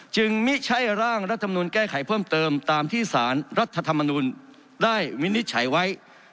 มิใช่ร่างรัฐมนุนแก้ไขเพิ่มเติมตามที่สารรัฐธรรมนุนได้วินิจฉัยไว้